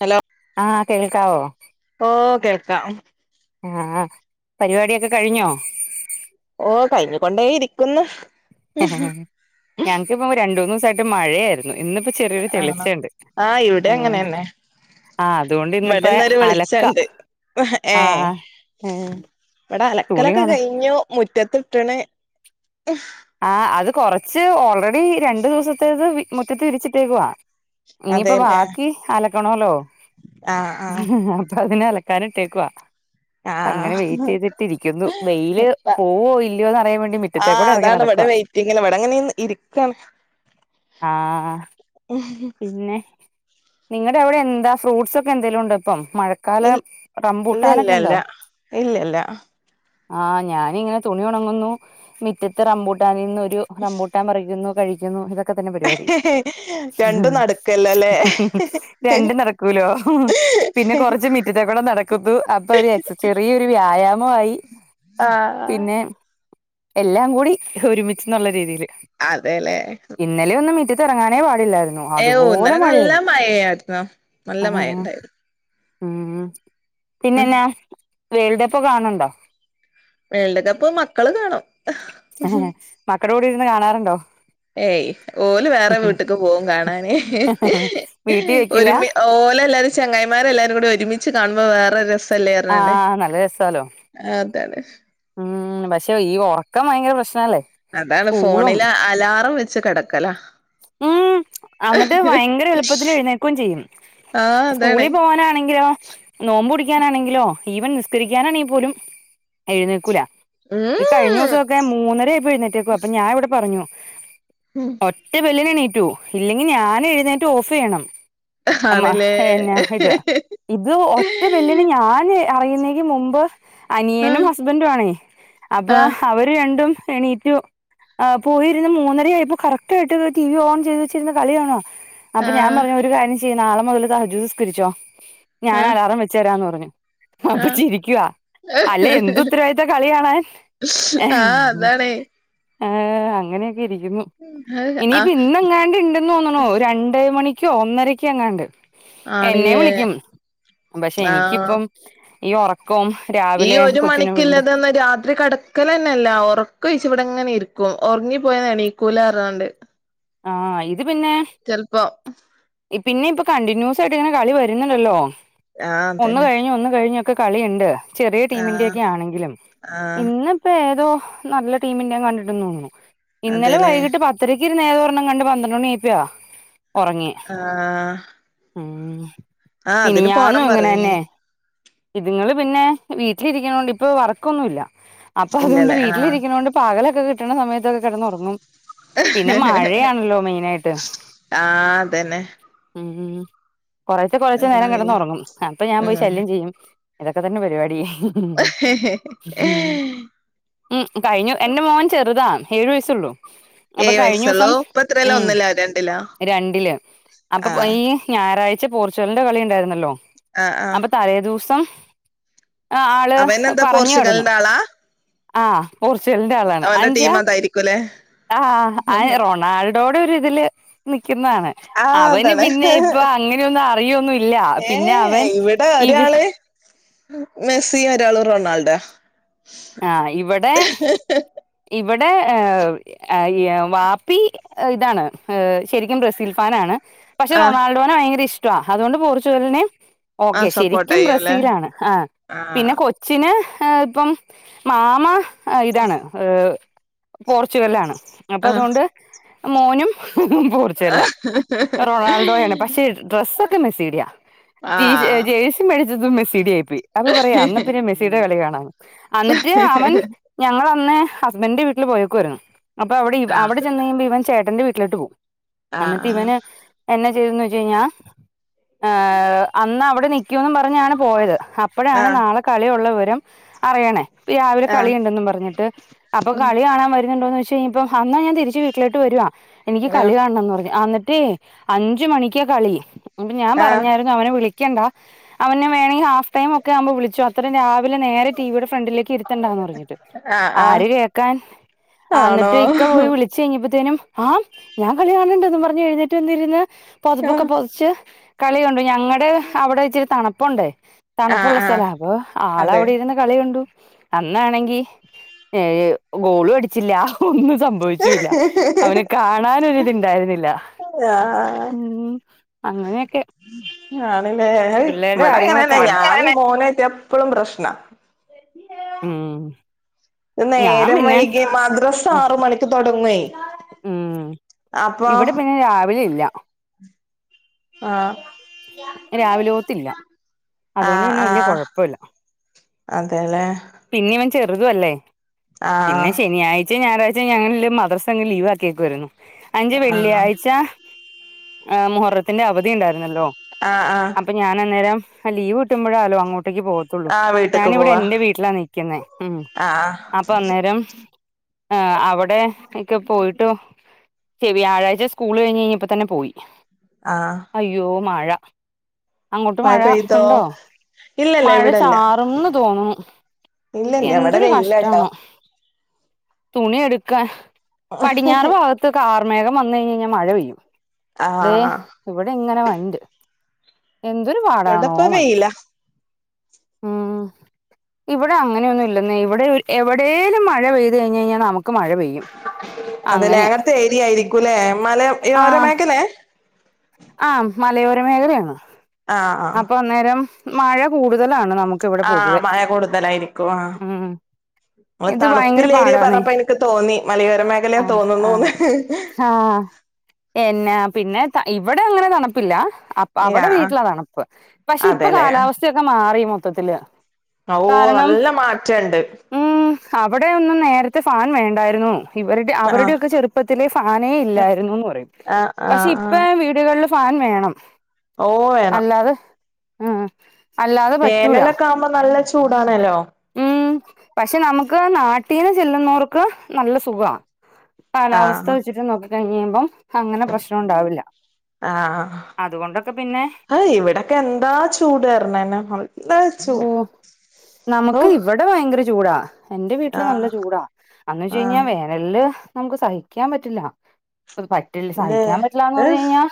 Hello ആ കേൾക്കാവോ? ഓ കേൾക്കാം ആഹ് പരിപാടിയൊക്കെ കഴിഞ്ഞോ? ഓ കഴിഞ്ഞ്. കൊണ്ടേ ഇരിക്കുന്ന് ഹ് ഹ് ഹ് ഞങ്ങക്ക്പ്പൊ രണ്ടുന്ന് സായിട്ട് മഴയായിര്ന്ന്. ഇന്നിപ്പോ ചെറിയൊരു ആണോ തെളിച്ചണ്ട് ആഹ് ഇവിടെ അതോണ്ട് അങ്ങനെന്നെ ആ അതുകൊണ്ട് ഇവിടെ ഇന്നിപ്പെ ഇന്നൊരു അലക്ക വെളിച്ചണ്ട് ആ ഹ് ഇവടെ അലക്കലൊക്കെ കഴിഞ്ഞു മുറ്റത്തിട്ട്ണ് ഹ് ആ അത് കൊറച്ച് ഓൾറെഡി രണ്ടു ദിവസത്തേത് വി മുറ്റത്ത് വിരിച്ചിട്ടേക്കുവാ. ഇനിയിപ്പോ ബാക്കി അലകണോല്ലോ ആ ആ അതിനെ അലക്കാന് ഇട്ടേകുവാ. അങ്ങനെ ആഹ് വെയിറ്റ് യ്തിട്ടിരിക്കുന്നു വെയില് പോവോ ഇല്ലയോന്ന് അറിയാ വേണ്ടി മുറ്റത്തെ കൂടി എറങ്ങി നടക എവടെ വെറ്റിങ്ങവടെ ങ്ങനെ ഇരിക്കാണ്. ആഹ് ഹ് പിന്നെ നിങ്ങടെ അവിടെ എന്താ ഫ്രൂട്ട്സ് ഒക്കെ എന്തെലും ഉണ്ടോ ഇപ്പം? മഴക്കാലം ഇല്ല ഇല്ല റമ്പൂട്ടാനൊക്കെ ണ്ടോ? ഇല്ല ഇല്ലല്ല ആ ഞാനിങ്ങനെ തുണി ഒണങ്ങുന്നു മിറ്റത്ത് റബൂട്ടാ നീന്ന് ഒരു റംബൂട്ടാ പറിക്കുന്നു കഴിക്കുന്നു ഇത കെതന്നെ പരിപാടി ഹ് രണ്ടും നടക്കല്ലല്ലേ ഹ് ഹ് രണ്ടു നടക്കൂലോ പിന്നെ കൊറച്ച് മിറ്റത്തെകോടെം നടക്കുന്നു അപ്പൊ ഒരു എക്സ ചെറിയൊരു വ്യായാമു ആയി ആ ഹ എല്ലാ കൂടി ഒരുമിച്ച് ന്നുള്ള രീതീല്. അതെലെ ത്തിറങ്ങാനേ പാടില്ലാര്ന്നു അതുപോലെ നല്ല മഴയായിരുന്നു മഴയായിരുന്നു നല്ല മഴ ഉണ്ടായിരുന്നു മ് പിന്നെന്നാ വേൾഡപ്പ് കാണ് ണ്ടോ? വേൾഡ് കപ്പ് മക്കള് കാണും ഹ് [unintelligible] മക്കട കൂടി ഇരുന്ന് കാണാറ്ണ്ടോ? ഏയ് ഓല് വേറെ വീട്ട്ക്ക് പോകും കാണാന് വീട്ടിൽ വെക്കില്ല ഒരുമി ഓ ല്ലാരും ചെങ്ങായിമാരെല്ലാരുടി ഒരുമിച്ച് കാ ല്ല രസല്ലേറ്ണ്ണാണ്ടെ ആഹ് നല്ല രസാലോ അതാണ്. ഉം പഷെ ഈ ഒറക്കം വയങ്കര പ്രശ് അതാണ് ഫോണില് അലാറം വെച്ച് കെട ഉം അന്ന്ട്ട് വയങ്കര എളുപ്പത്തില് എഴുന്നേക്കും ചെയ്യും. ആഹ് അതാണ് സ്കൂളി പോവാനാണെങ്കിലോ നോമ്പുടി നാണെങ്കിലോ ഈവൻ നിസ്കരിക്കനാണീ പോലും എയ്ന്നേക്കൂല. ഈ കഴിഞ്ഞ ഉം ദിവസൊക്കെ മൂന്നര ആയിപ്പൊ ഴുന്നേറ്റേക്കുവ അപ്പൊ ഞാൻ വിടെ പറഞ്ഞു. മ് പിള്ളേര്ണീറ്റു ഇല്ലെങ്കി ഞാൻ എഴുന്നേറ്റ് ഓഫ് യ്യണം. അമ്മ ആണ്ല്ലേ ഹ് എന്നെ ഇത് ഇത് ഒറ്റ വെല്ലിന് ഞാന് അറിയുന്നെയ്യ് മുമ്പ് അനിയനും ആഹ് ഹസ്ബന്റു ആണ് അപ്പൊ ആഹ് അവര് രണ്ടും എണീറ്റു പോയിരുന്ന് മൂന്നര ആയപ്പോ കറക് ട്ട് ആയിട്ട് ടി വി ഓൺ ചെയ്ത് വെച്ചിര്ന്ന് കളികാണാ അപ്പ ഞാ ആഹ് പറഞ്ഞു ഒരു കാര്യം ചെയ് നളെ മുതല് സഹജുസ്കരിച്ചോ ഞാൻ ആഹ് അലാറം വെച്ചരാന്ന് പറഞ്ഞു അപ്പൊ ആഹ് ചിരിക്കുവാ. അല്ല എന്ത് ഉത്തരവാദിത്ത കളികാണാൻ എൻ ആഹ് അതാണേ ആ അങ്ങനെയൊക്കെ ഇരിക്കുന്നു ആഹ് ഇനിപ്പോ ഇന്ന എങ്ങാണ്ട് ഇണ്ടന്ന് തോന്ന്ണു രണ്ട് മണി യ്ക് ഒന്നരയ്ക് എങ്ങാണ്ട് എന്നെ ആണില്ലേ വിളിക്കും പഷെ ആഹ് എനിക്കിപ്പം ഈ ഉറക്കവും ഈ രാവിലെ ഒരു കൊച്ചിനെ വിടണ്ട മണിക്കില്ലതന്നെ രാത്രി കെടക്കലെന്നെല്ല ഉറക്ക ച് വ്ടങ്ങനെ ഇരിക്കും ഒറങ്ങിപോയ എണീക്കൂലർന്നാണ്ട്. ആ ഇത് പിന്നെ പിന്നീ ഇപ്പോ കണ്ടിന്യൂസ് ആയിട്ട് ഇങ്ങനെ കളി വരുന്നുണ്ടല്ലോ ആഹ് ഒന്ന് അതന്നെ കഴിഞ്ഞ് ഒന്ന് കഴിഞ്ഞൊക്കെ കളിയിണ്ട്. ചെറിയ ടീമന്റ് ആഹ് ക്യാണെങ്കിലും ആഹ് ഇന്ന്പെ ഏതോ നല്ല ടീമിന്റെ കണ്ടിട്ട് തോന്നു ഇന്നലെ അതെല്ലേ വൈകിട്ട് പത്തരയ്ക് നേ [unintelligible] കണ്ട് പന്ത്രണ്ട് മണി ആയ പിയാ ആഹ ഉ ഇനി ഞന്നും ഇങ്ങനെ തന്നെ പറഞ്ഞീനി ഇതുങ്ങൾ പിന്നെ. വീട്ടിലിരിക്കുന്നൊണ്ട് ഇപ്പ വറക്കൊന്നുമ ഇല്ല അപ്പൊ അതുകൊണ്ട് ഇല്ലല്ലേ ആഹ് വീട്ടിലിരിക്കുന്നൊണ്ട്. പാകലൊക്കെ കിട്ട ക സമയത്തക്കെ കിടന്നറങ്ങും. പിന്നെ മഴ ഴണല്ലോ മെയിൻ ആയിട്ട് ആഹ് അതന്നെ ഉം കുറചെ കൊറചെ നേരം കിടന്ന് എല്ലല്ല ഉറങ്ങും. അപ്പൊ ഞാൻ പോയി ഉം ശല്യം ചെയ്യും. അതൊക്കെ തന്നെ പരിപാടി. ഉം കഴിഞ്ഞു എന്റെ മോൻ ചെറുതാ. ഏഴ് വയസ്സുള്ളു ഏഴ് വയസ്സാളളു ഉം രണ്ടില് അപ്പൊ ആഹ് ഈ ഞായറാഴ്ച പോർച്ചുഗലിന്റെ കളി ഉണ്ടായിരുന്നല്ലോ ആഹ് ആഹ് അപ്പൊ തലേ ദിവസം ആ ആള് അവനെന്താ പറഞ്ഞു വിടന്നു പോർച്ചുഗലിന്റെ ആളാ ആഹ പോർച്ചലിന്റെ ആളാണ് അവന്റെ അഞ്ച ടീം അതായിരിക്കുംല്ലേ ആ ആ റോൺ. ആയാളുടെടെ ഒ ഇതില് മി ആഹ് അവന് പിന്നെ അതാണ് ഇപ്പൊ അങ്ങനെയൊന്നും അറിയൊന്നുംല്ല. ഏ പിന്നെ അവൻ ഇവിടെ ഇ [inaudible] ഒരാള് മെസ്സി ഒരാളും റൊണാൾഡോ. ആഹ് ഇവിടെ ഇ ഇവിടെ വാപ്പി ഇതാണ് ശരിക്കും ബ്രസീൽ ഫാനാണ്. പക്ഷെ ആ റൊണാൾഡോനെ ഭയങ്കര ഇഷ്ട. അതുകൊണ്ട് പോർച്ചുഗലിനെ ആ ഓക്കെ സപ്പോർട്ട് ശരിക്കും ചെയ്യൂല്ലേ ബ്രസീലാണ്. ആ ആ പിന്നെ കൊച്ചിന് ഇപ്പം മാമ ഇതാണ് പോർച്ചുഗലാണ്. അപ്പൊ ആ അതുകൊണ്ട് മോനും പൂർച്ചല്ല്. റൊണാൾഡോ ആണ് പക്ഷെ ഡ്രസ്സ ഒക്കെ മെസ്സിടിയ ആ ജേഴ്സി മേ മെസിഡ ആയി അപ്പ പറയാ അന്ന പിന്നെ മെസീയുടെ കളി കാണാ എന്നിട്ട് അവൻ ഞങ്ങ അന്ന് ഹസ്ബൻഡന്റെ വീട്ടിൽ പോയക്കെ വരുന്നു. അപ്പൊ അവിടെ ആ ആ അവിടെ ചെന്ന കഴുമ്പോ ഇവൻ ചേട്ടന്റെ വീട്ടിലോട്ട് പോകും. ആ എന്നിട്ട് ആ ഇവന് എന്നെ ചെയ്തന്ന് വെച്ച കഴിഞ്ഞൽ ഏ അന്ന് അവിടെ നിക്കൂന്ന് പറഞ്ഞാണ് പോയത്. ആ അപ്പോഴാണ് നാളെ കളിയുള്ള വിവരം അറിയണേ ഇ രാവിലെ കളി ഉണ്ടെന്നും പറഞ്ഞിട്ട്. അപ്പൊ കളി കാണാൻ വരുന്നുണ്ടോന്ന് ച പക്ഷെനി ഇപ്പ അന്നാ ഞാൻ തിരിച്ച് വീടിലോട്ട് വരുവാ എനിക്ക് കളി കാണണം എന്ന് പറഞ്ഞു. ഹോ അഞ്ച് മണിക്ക കളി അപ്പൊ ഞാൻ ആ പറഞ്ഞായിരുന്നു അവനെ വിളിക്ക ണ്ട അവെ വേണെങ്കിൽ ഹാഫ് ടൈം ഒക്കെ ആവുമ്പോ വിളിച്ച അത്തരം രാവിലെ നേരെ ടിവിയുടെ ഫ്രണ്ടിലേക്ക്. ഇരുത്തണ്ടന്ന് പറഞ്ഞിട്ട് ആ ആ ആര് കേൾക്കാൻ ആണോ ഇക്ക പോയി വിളിച്ച കഴിഞ്ഞിട്ട് ത്തേനും ആഹ് ഞാൻ കളി കാണണ്ടന്ന് പറഞ്ഞഞ് എഴുന്നേറ്റ് വന്ന ഇരുന്ന്. പുതപ്പൊക്കെ പുതച്ച് പൊതിച്ച് കളിണ്ടു ഞങ്ങളടെ അവിടെ ഇച്ചിരി തണുപ്പുണ്ട്. ആ തണുപ്പുള്ളള്ള ആ സ്ഥലം അപ്പൊ ആൾ അതെ അവിടെ ഇരുന്നു കളികണ്ടു. അന്നാണെങ്കി ഏ ഗോളും അടിച്ചില്ല ഒുനും സംഭവിച്ചുല്ല അവനെ കാണാന ഒരി ഇത്ണ്ടായിരുന്നില്ല ആ ഉം അങ്ങനെയൊക്കെ ആണല്ലേ പിള്ളേരുടെ ഇവിടെ കാര്യങ്ങളൊക്കെ അങ്ങനെന്നെല ആണ് ഞാനും മോനായിട്ട് എപ്പഴും പ്രശ്ന ഉം ഞാൻ നേരം പിന്നെ വൈകി മദ്രസ് ഉം ആറ് മണിക്ക് തുടങ്ങേ ഉം ഇവിടെ പിന്നെ രാവിലെ ഇല്ല. രാവിലോത്തില്ല അതുകൊണ്ട് ആഹ പിന്നെ വലിയ ആഹ കുഴപ്പമില്ല അതെല്ലേ ചെറുത അല്ലേ പിന്നെ ആഹ് ശനാഴ്ച ഞായറാഴ്ച ഞങ്ങില് മദ്രസ അങ്ങ് ലീവ് ആക്കിയൊക്ക വരുന്നു. അഞ്ച് ആഹ് വെള്ളിയാഴ്ച ആ മുഹറത്തിന്റെ അവധി ഉണ്ടായിരുന്നല്ലോ? ആഹ് ആഹ് അപ്പൊ ഞാൻ അന്നേരം ലീവ് കിട്ടുമ്പോഴാലോ അങ്ങോട്ട് [unintelligible] ആഹ് വീട്ട്ക്ക് ഞാനിവിടെ പോവാ എന്റെ വീട്ടിലാ നിക്കുന്നേ ഉം ആഹ് അപ്പൊ അന്നേരം ഏഹ് അവടെ ഇക്ക പോയിട്ടു [unintelligible] വ്യായാഴ്ച സ്കൂൾ കഴിഞ്ഞപ്പതന്നെ പോയി ആ അയ്യോ മഴ അങ്ങോട്ട് മഴ പെയ്തോ ഉണ്ടോ ഇല്ലല്ല മഴ ഇവിടെല്ല ചാറുംന്ന് തോന്നുണു ഇല്ലല്ല ഇവിടെ എന്തൊരു വെയിലാട്ടോ കഷ്ടാണ് തുണി എടുക്കാ പടിഞ്ഞാറ് ഭാഗത്ത് കാർമേഘം വന്ന് കഴിഞ്ഞഴിഞ്ഞാൽ മഴ പെയ്യും തെ ആഹ് ഇവിടെ ഇങ്ങനെ വന്റ് എന്തൊരു പാടാണോ ഇവിടെപ്പ മതി വെയില ഉം ഇവിടെ അങ്ങനെയൊന്നും ഇല്ലന്നെ ഇവിടെ എവിടേലും മഴ പെയ്ത് കഴിഞ്ഞഴിഞ്ഞാൽ നമു അതലെ അങ്ങനത്തെ ഏരിയ ഉം. ആയിരിക്കുംല്ലേ മല ആ യോര മേഖലേ ആ മലയോര മേഖലയാണ്. ആഹ് ആഹ് അപ്പൊ അന്നേരം മഴ കൂടുതലാണ് നമുക്ക് ഇവിടെ ആഹ് പൊതുവെ മഴ ഉം ഓൻ ഇത് ഭയങ്കര തണുപ്പില്ല ഏരിയ പാടാന്നേ പറഞ്ഞപ്പോ ഇന്ക് തോന്നി മലയോര മേഖലയാ ആ ആ തോന്നുന്നുന്ന് ആ എന്നാ പിന്നെ ത ഇവിടെ അങ്ങനെ തണപ്പില്ല. അപ്പ അവടെ ആഹ് വീട്ടിലാ തണപ്പ് പക്ഷെ ഇപ്പൊ അതെല്ലേ കാലാവസ്ഥയൊക്കെ മാറി മൊത്തത്തില് ഓ കാരണം നല്ല മാറ്റണ്ട്. ഉം അവിടെ ഒന്നും നേരത്തെ ഫാൻ വേണ്ടായിരുന്നു. ഇവരുടെ ആഹ് അവരുടെയൊക്കെ ചെറുപ്പത്തിലെ ഫാനേ ഇല്ലായിരുന്നുന്ന് പറയും ആഹ് പക്ഷെ ആഹ് ഇ ആഹ് വീടുകളില് ഫാൻ വേണം. ഓ വേണം ആ വേനലൊക്കെ ആവുമ്പോ നല്ല ചൂടാണല്ലോ ഉം പക്ഷെ നമുക്ക് നാട്ടീന്ന് ചെല്ലുന്നോർക്ക് നല്ല സുഖ. കാലാവസ്ഥ ആഹ് വെച്ചിട്ട് നോക്കി കഴിഞ്ഞിയുമ്പം അങ്ങനെ പ്രശ്ന ഉണ്ടാവില്ല. ആ ആ അതുകൊണ്ടൊക്കെ പിന്നെ ആ ഇവിടെക്കെ എന്താ [unintelligible] നല്ല ചൂ ഓ ഓ നമുക്ക് ഇവിടെ ഭയങ്കര ചു ചൂടാ എന്റെ വീട്ടില് നല്ല ആഹ് ചൂടാ അന്ന് വെച്ച കഴിഞ്ഞാ ആഹ് വേനല് ചു നമുക്ക് സഹിക്കാൻ പറ്റില്ല അത് പറ്റില്ല അല്ലെ സഹിക്കാൻ പറ്റില്ലന്ന് പറഞ്ഞഴിഞ്ഞാൽ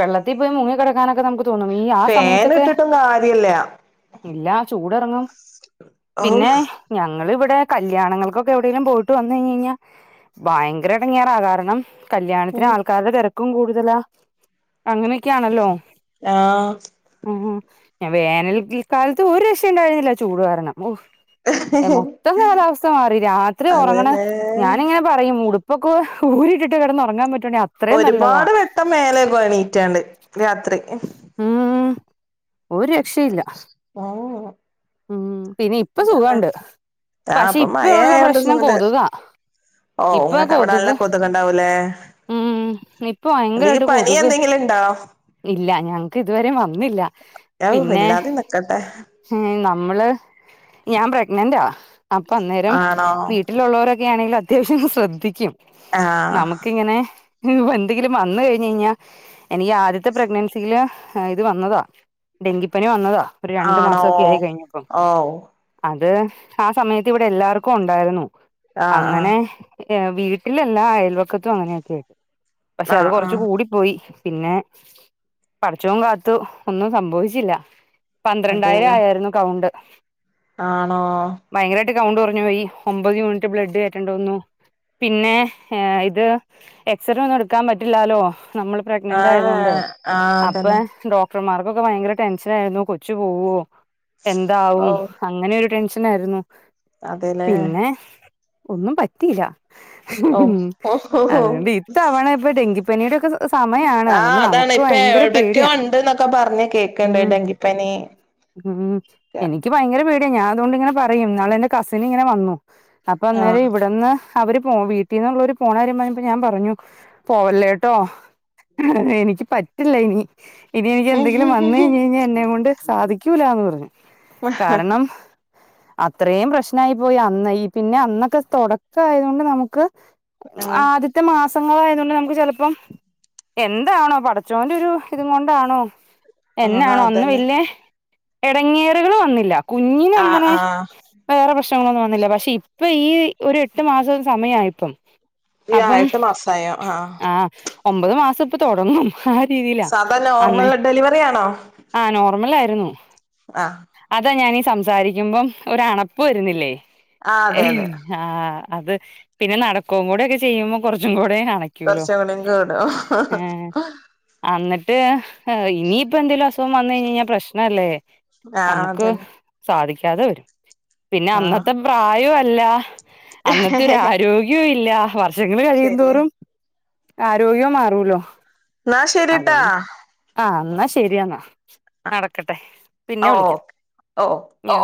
വെള്ളത്തിൽ പോയി മുങ്ങി കിടക്കാനൊക്കെ നമുക്ക് തോന്നും ഈ ആ ഫാൻ സമയത്തൊക്കെ ഇട്ടിട്ടും കാര്യല്ല ഇല്ല ചൂട്റങ്ങും ഔ പിന്നെ ഞങ്ങള് വ് ടെ കല്യാണങ്ങൾക്കൊക്കെ എവിടെലും പോയിട്ട് വന്നഴിഞഴിഞ്ഞാ ഭയങ്കര എടങ്ങേറാ കാരണം കല്യാണത്തിന് ഉം ആൾക്കാരുടെ തെരക്കും കൂടുതലാ അങ്ങനക്കെണല്ലോ ആഹ് ഉം ഞാൻ വേനൽ കാലത്ത് ഒരു രക്ഷ ഉണ്ടായിരുന്നില്ല ചൂട് കാരണം ഓ മൊത്തം കാലാവസ്ഥ മാറി രാത്രി ഒറങ്ങണ അതന്നെ ഞാനിങ്ങനെ പറയും ഉടു പ്പൊക്കെ ഊരിട്ടിട്ട് കെടന്നുറങ്ങാൻ പറ്റാണെങ്കി അത്ര ന ഒരുപാട് വെട്ടം മേലെയ്കും എണീറ്റാണ്ട് രാത്രി ഉം ഒരു രക്ഷയില്ല. ഓഹ് ഉം പിന്നെ ഇപ്പ സുഖണ്ട് ആഹ് പക്ഷെ അപ്പൊ ഇപ്പ മഴ ഉള്ള ആയോണ്ട് പ്രശ്നം സുഖണ്ട് കൊതുക. ഓ ഇങ്ങക്ക് അവിടെ നല്ല കൊതുക്ണ്ടാവൂലേ. ഉം ഇപ്പൊ എന്തെങ്കി ഭയങ്കരായിട്ട് പനി കൊതുക് എന്തെങ്കിലുംണ്ടോ? ഇല്ല ഞങ്ങക്ക് ഇതുവരെ വന്നില്ല ഔ പിന്നെ ഇല്ലാതെ നിക്കട്ടെ ന നമ്മള് ഞാൻ പ്രഗ്നന്റാ അപ്പൊ അന്നേരം ആണോ വീട്ടിലുള്ളോരൊക്കെ ആണെങ്കിൽ അത്യാവശ്യം ശ്രദ്ധിക്കും ആഹ് നമുക്കിങ്ങനെ എന്തെങ്കിലും വന്ന് കഴിഞ്ഴിഞ്ഞാ എനിക്ക് ആദ്യത്തെ പ്രഗ്നൻസിയില് ആ ഇത് വന്നതാ ഡെങ്കിപ്പനി വന്നതാ ഒരു രണ്ടു മാസക്കെ ആയി കഴിഞ്ഞി. ഹാവു അത് ആ സമയത്ത് ഇവിടെ എല്ലാവർക്കും ഉണ്ടായിരുന്നു ആഹ് ആഹ് അങ്ങനെ. ഏഹ് വീട്ടിലെല്ലാം അയൽവക്കത്തും അങ്ങനെയൊക്കെയ പക്ഷെ അത് ആഹ് കൊറച്ച് ആഹ് കൂടി പോയി. പിന്നെ പടച്ചോ കാത്തു ഒന്നും സംഭവിച്ചില്ല. പന്ത്രണ്ടായിരം അതെല്ലേ ആയായിരുന്നു കൗണ്ട്. ആണോ ഭയങ്കരമായിട്ട് കൗണ്ട് കുറഞ്ഞു പോയി ഒമ്പത് യൂണിറ്റ് ബ്ലഡ് കറ്റേണ്ടി വന്നു. പിന്നെ. ഇത് എക്സറേ ഒന്നും എടുക്കാൻ പറ്റില്ലാലോ നമ്മള് പ്രഗ്നന്റ് ആയത് കൊണ്ട് ആഹ് ആഹ് അപ്പ അതന്നെ ഡോക് ഡോക്ടർമാർക്കൊക്കെ ഭയങ്കര ടെൻഷൻ ആയിരുന്നു. കൊച്ചു പോകോ. [inaudible] ന്താവും അങ്ങനെ ഒരു ടെൻഷൻ ആയിരുന്നു. അതെല്ലേ. ഒന്നും പറ്റില്ല. ഓ [unintelligible] ഓഹോ അതുകൊണ്ട്ഇത്തവണ ഇപ്പൊ ഡെങ്കിപ്പനിയുടെക്കെ സമയാണ്. ആഹ് അതുകൊണ്ട് നമു അതാണ് ഇപ്പ എവിടെക്കെയോ ഉണ്ട് എന്നൊക്കെ പറഞ്ഞു കേൾക്കണ്ട് ഉം ഡെങ്കിപ്പനീ ഉം. എനിക്ക് ഭയങ്കര പേടിയാണ് ഞാൻ അതൊണ്ട് ഇങ്ങനെ പറയും ഇന്നാൾ എന്റെ കസിന് ഇങ്ങനെ വന്നു അപ്പൊ അന്നേരം ആഹ് ഇവിടുന്ന്. അവര് പോ വീട്ടിൽന്നുള്ളൊരു പോന്നക്കരിയാംപറഞ്ഞപ്പോൾ ഞാൻ പറഞ്ഞു പോവല്ലേ ട്ടോ എനിക്ക് പറ്റില്ല. ഇനി ഇനി എനിക്ക് എന്തെങ്കിലും വന്ന കഴിഞ്ഞാൽ എന്നെ കൊണ്ട്. സാധിക്കൂലന്ന് പറഞ്ഞു കാരണം. അത്രയും പ്രശ്നായി പോയി അന്ന് ഈ പിന്നെ അന്നൊക്കെ തുടക്ക ആയത് കൊണ്ട് നമുക്ക്. ആഹ് ആദ്യത്തെ മാ സങ്ങൾ ആയത്. കൊണ്ട് നമുക്ക് ചിലപ്പം എന്താണോ പടച്ചോന്റെ ഒരു ഇത് കൊണ്ടാണോ. ആഹ് എന്നാണോ ഒന്നും അതന്നെ ഇല്ലേ, ഇട ങ്ങേറുകൾ വന്നില്ല. ആഹ ആഹ പ്രങ്ങളൊന്നും വന്നില്ല പക്ഷെ ഇപ്പൊ ഈ ഒരു എട്ട് മാസം സമയംപ്പം. ആയപ്പം ഈ ആഹ് അപ്പം എട്ട് മാസായോ ആഹ് ഒമ്പത് മാസം ഇപ്പൊ തുടങ്ങും. ആ. രീതിയിലാ സാധാ നോർമൽ അന്നേ ഡെലിവറി ആണോ ആ നോർമൽ. ആ യിരുന്നു ആഹ് അതാ ഞാനീ സംസാരിക്കുമ്പം ഒരു അണപ്പ് വരുന്നില്ലേ? ആഹ് അതെ ഏഹ് അതെ ആഹ അത് പിന്നെ നടക്കും കൂടെൊക്കെ ചെയ്യുമ്പോൾ കുറച്ചും കൂടി. കൂടെ അണക്കൂലോ, കുറച്ചും കൂടി കൂടും ഹെ, അന്നെ ടെ ഇനിയിപ്പോഎന്തേലും അസുഖം, വന്നു കഴിഞ്ഞാൽ പ്രശ്നമല്ലേ. ആഹ് നമുക്ക് അതന്നെ സാധിക്കാതെ വരും പിന്നെ ആഹ് അന്നത്തെ പ്രായംല്ല. അന്നത്തെ ഒരു ആരോഗ്യവും ഇല്ല വർഷങ്ങൾ, ശരിയാ കഴിയുംതോറും ആരോഗ്യവും മാറൂലോ എന്നാ ശരിട്ടാ. അതുകൊണ്ട് ആ എന്നാ ശരിയെന്നാ നടക്കട്ടെ പിന്നെ ഓ വിളിക്കാം. ഓ ഒ